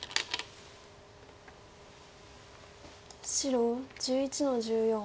白１１の十四。